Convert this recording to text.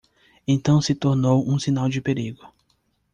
Então se tornou um sinal de perigo.